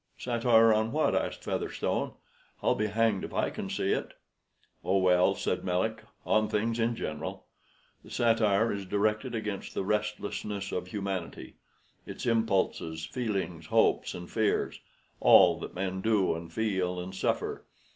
"Satire on what?" asked Featherstone. "I'll be hanged if I can see it." "Oh, well," said Melick, "on things in general. The satire is directed against the restlessness of humanity; its impulses, feelings, hopes, and fears all that men do and feel and suffer.